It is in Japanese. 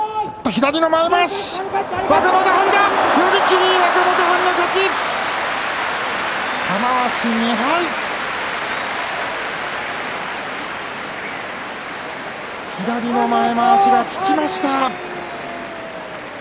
左の前まわしが効きました。